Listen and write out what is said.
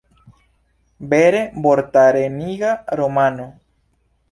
Vere vortareniga romano!